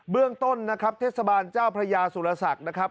เรื่องต้นนะครับเทศบาลเจ้าพระยาสุรศักดิ์นะครับ